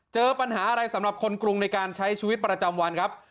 เจอปัญหาอะไรสำหรับคนกรุงในการใช้ชีวิตประจำวันครับ